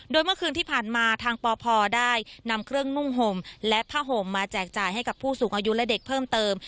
โดยเมื่อคืนที่ผ่านมาทางปพได้นำเครื่องนุ่งห่มและผ้าห่มมาแจกจ่ายให้กับผู้สูงอายุและเด็กเพิ่มเติม